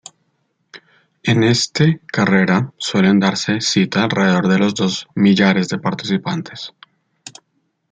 En este carrera suelen darse cita alrededor de los dos millares de participantes.